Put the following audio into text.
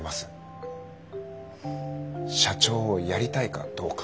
社長をやりたいかどうか。